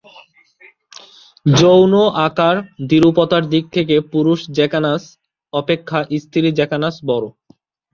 যৌন আকার দ্বিরূপতার দিক থেকে পুরুষ জ্যাকানাস অপেক্ষা স্ত্রী জ্যাকানাস বড়।